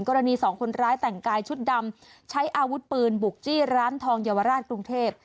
กรณีสองคนร้ายแต่งกายชุดดำใช้อาวุธปืนบุกจี้ร้านทองเยาวราชกรุงเทพ